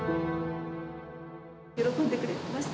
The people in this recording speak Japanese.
喜んでくれました？